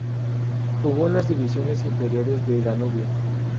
Jugó en las divisiones inferiores de Danubio.